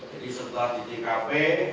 jadi setelah di tkp